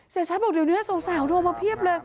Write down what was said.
เศรษฐบอกเดี๋ยวนี้สวงแสวโทรมาเพียบเลย